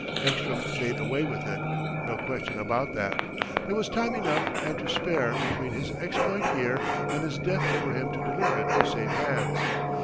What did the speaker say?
Ekstrom made away with it: no question about that. There was time enough and to spare between his exploit here and his death for him to deliver it to safe hands.